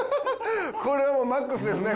これはもうマックスですね。